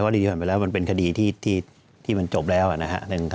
คือคดีที่ผ่านไปแล้วมันเป็นคดีที่มันจบแล้วอะนะคะ